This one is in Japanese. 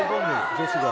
女子が。